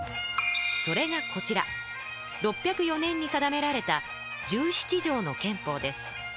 それがこちら６０４年に定められた「十七条の憲法」です。